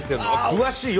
詳しい！